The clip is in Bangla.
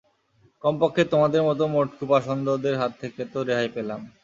কমপক্ষে তোমাদের মতো মোটকু পাষন্ডদের হাত থেকে তো রেহাই পেলাম।